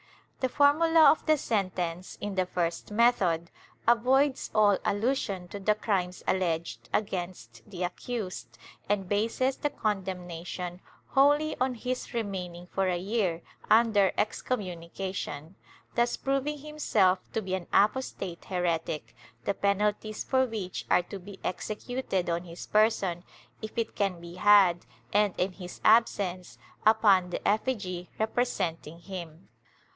The formula of the sentence, in the first method, avoids all allusion to the crimes alleged against the accused and bases the condem nation wholly on his remaining for a year under excommunica tion, thus proving himself to be an apostate heretic, the penalties for which are to be executed on his person, if it can be had and, in his absence, upon the effigy representing him.